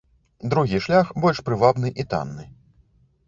Другі шлях больш прывабны і танны.